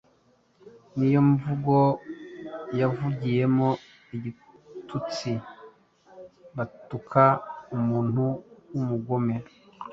niyo mvugo yavuyemo igitutsi batuka umuntu w'umugome